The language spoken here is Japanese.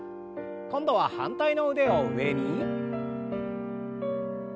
今度は反対の腕を上に。